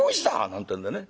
なんてんでね